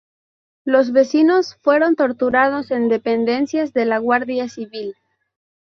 Los vecinos fueron torturados en dependencias de la Guardia Civil.